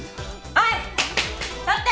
はい！